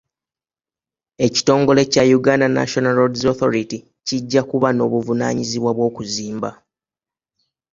Ekitongole kya Uganda National roads authority kijja kuba n'obuvunaanyizibwa bw'okuzimba.